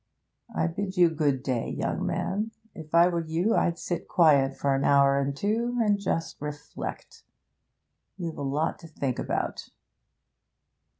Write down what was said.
I bid you good day, young man. If I were you I'd sit quiet for an hour or two, and just reflect you've a lot to think about.'